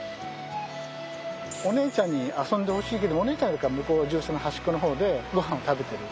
お姉ちゃんに遊んでほしいけどお姉ちゃんは向こう獣舎の端っこの方でごはんを食べている。